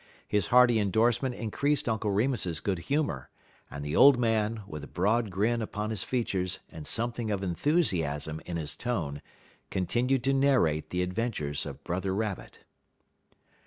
His hearty endorsement increased Uncle Remus's good humor; and the old man, with a broad grin upon his features and something of enthusiasm in his tone, continued to narrate the adventures of Brother Rabbit.